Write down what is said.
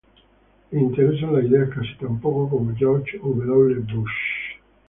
Le interesan las ideas casi tan poco como George W. Bush.